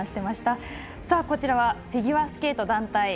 そしてフィギュアスケート団体